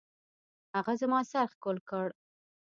هغه زما سر ښکل کړ.